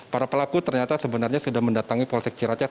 para pelaku ternyata sebenarnya sudah mendatangi polsek ciracas